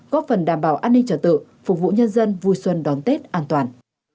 góp phần đảm bảo an ninh trật tự phục vụ nhân dân vui xuân đón tết an toàn